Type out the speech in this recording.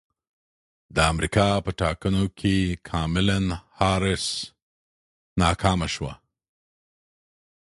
د امریکا په ټاکنو کې کاملا حارس ناکامه شوه